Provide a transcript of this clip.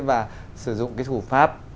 và sử dụng cái thủ pháp